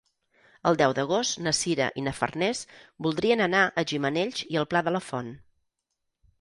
El deu d'agost na Sira i na Farners voldrien anar a Gimenells i el Pla de la Font.